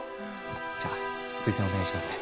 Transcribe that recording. じゃあ推薦お願いしますね！